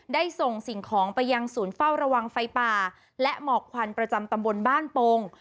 ได้ส่งสิ่งของไปยังศูนย์เฝ้าระวังไฟป่าและหมอกควันประจำตำบลบ้านโป่ง